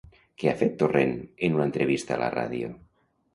Què ha fet Torrent en una entrevista a la ràdio?